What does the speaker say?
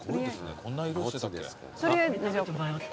こんな色してたっけ？